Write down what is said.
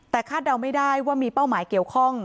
แต่คาดเดาไม่ได้ว่ามีเป้าหมายเกี่ยวข้อง